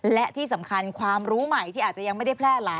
และที่สำคัญความรู้ใหม่ที่อาจจะยังไม่ได้แพร่หลาย